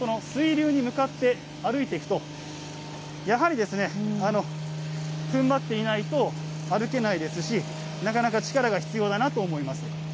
では、この水流に向かって歩いていくと、やはりふんばっていないと歩けないですし、なかなか力が必要だなと思います。